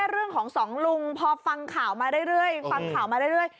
เรื่องของสองลุงพอฟังข่าวมาเรื่อย